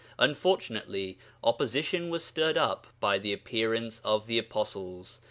Unfortunately opposition was stirred up by the appearance of the apostles.